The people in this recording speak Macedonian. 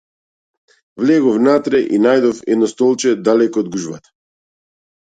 Влегов внатре и најдов едно столче далеку од гужвата.